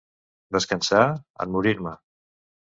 Descansar? En morir-me.